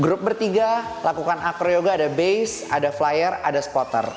grup bertiga lakukan acroyoga ada base ada flyer ada spotter